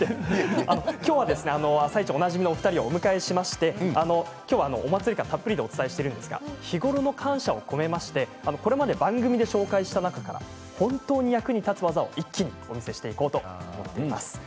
今日は「あさイチ」おなじみのお二人をお迎えしましてお祭り感たっぷりでお伝えしているんですが日頃の感謝を込めましてこれまで番組で紹介した中から本当に役立つ技を一気にお見せしていこうと思います。